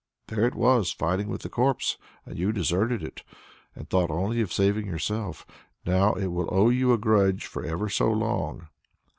There it was fighting with the corpse and you deserted it, and thought only of saving yourself! Now it will owe you a grudge for ever so long."